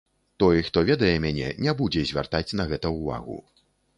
Той, хто ведае мяне, не будзе звяртаць на гэта ўвагу.